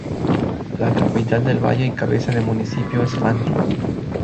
La capital del valle y cabeza de municipio es Fanlo.